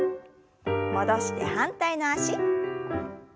戻して反対の脚。